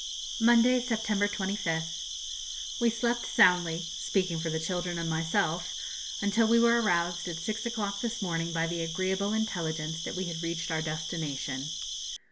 Monday, September 25th. We slept soundly speaking for the children and myself until we were aroused at six o'clock this morning by the agreeable intelligence that we had reached our destination.